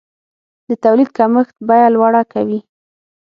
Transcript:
د تولید کمښت بیه لوړه کوي.